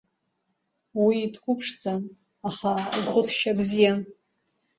Уи дқәыԥшӡан, аха лхәыцшьа бзиан.